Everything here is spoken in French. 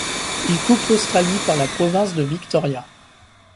Il coupe l’Australie par la province de Victoria.